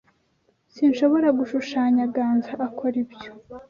Sinshobora gushushanya Ganza akora ibyo.